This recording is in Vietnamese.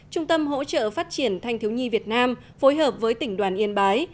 trung tâm hỗ trợ phát triển thanh thiếu nhi việt nam phối hợp với tỉnh đoàn yên bái